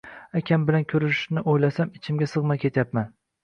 Akam bilan ko`rishishni o`ylasam, ichimga sig`may ketyapman